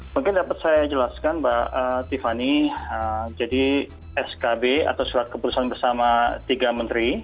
mungkin dapat saya jelaskan mbak tiffany jadi skb atau surat keputusan bersama tiga menteri